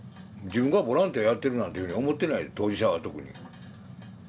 自分がボランティアやってるなんていうふうに思ってない当事者は特に。